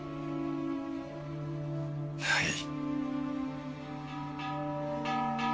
はい。